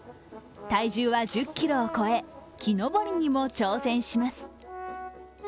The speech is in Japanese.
体重は１０ｋｇを超え、木登りにも挑戦します。